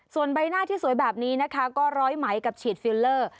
ส่วนใบหน้าที่สวยแบบนี้นะคะก็ร้อยไหมกับฉีดฟิลเลอร์